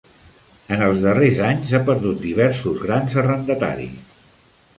En els darrers anys ha perdut diversos grans arrendataris.